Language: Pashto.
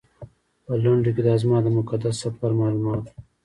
په لنډو کې دا زما د مقدس سفر معلومات و.